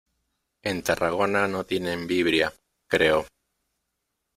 En Tarragona no tienen Vibria, creo.